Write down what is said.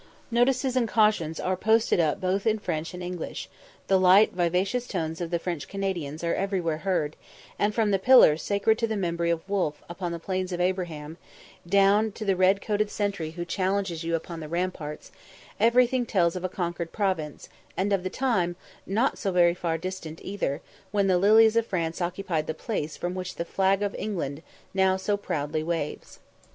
Notices and cautions are posted up both in French and English; the light vivacious tones of the French Canadians are everywhere heard, and from the pillar sacred to the memory of Wolfe upon the Plains of Abraham, down to the red coated sentry who challenges you upon the ramparts, everything tells of a conquered province, and of the time, not so very far distant either, when the lilies of France occupied the place from which the flag of England now so proudly waves.